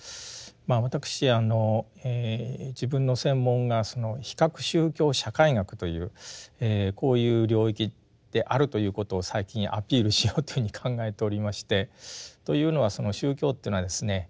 私自分の専門が比較宗教社会学というこういう領域であるということを最近アピールしようというふうに考えておりましてというのはその宗教というのはですね